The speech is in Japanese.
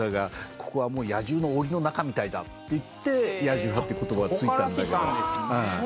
「ここはもう野獣のおりの中みたいだ」って言って「野獣派」って言葉がついたんだけどね。